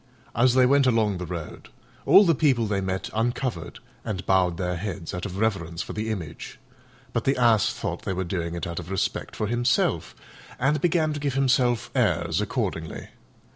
As they went along the road all the people they met uncovered and bowed their heads out of reverence for the Image; but the Ass thought they were doing it out of respect for himself, and began to give himself airs accordingly.